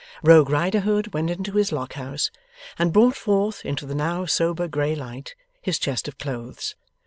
Rogue Riderhood went into his Lock house, and brought forth, into the now sober grey light, his chest of clothes.